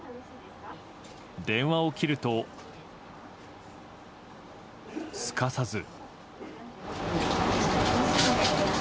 電話を切るとすかさず。